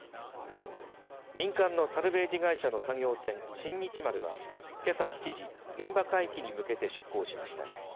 民間のサルベージ会社の作業船新日丸はけさ７時、現場海域に向かって出港しました。